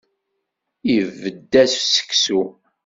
Ibedd-as seksu.